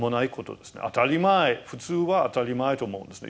普通は当たり前と思うんですね。